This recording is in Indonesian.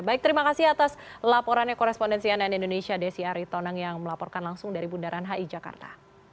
baik terima kasih atas laporannya korespondensi ann indonesia desi aritonang yang melaporkan langsung dari bundaran hi jakarta